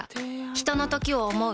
ひとのときを、想う。